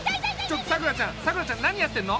ちょっとさくらちゃんさくらちゃん何やってんの？